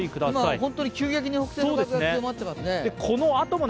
今、急激に北西の風が強まっていますね。